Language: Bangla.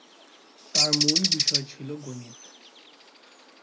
তার মূল বিষয় ছিল গণিত।